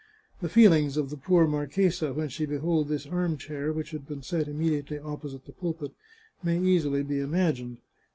The feelings of the poor mar chesa, when she beheld this arm chair, which had been set immediately opposite the pulpit, may easily be imagined.